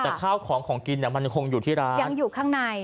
แต่ข้าวของคนกินอยู่ที่ร้านยังอยู่ข้างใน